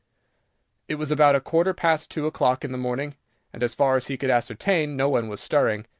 It was about a quarter past two o'clock in the morning, and, as far as he could ascertain, no one was stirring.